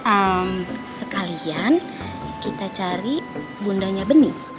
ehm sekalian kita cari bundanya bening